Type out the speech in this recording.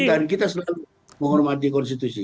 jadi kita selalu menghormati konstitusi